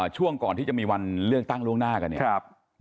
ช่วงก่อนที่จะมีวันเลือกตั้งล่วงหน้ากันเนี่ย